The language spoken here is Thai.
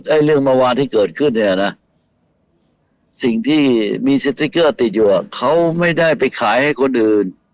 เรื่องเมื่อวานที่เกิดขึ้นเนี่ยนะสิ่งที่มีสติ๊กเกอร์ติดอยู่อ่ะเขาไม่ได้ไปขายให้คนอื่น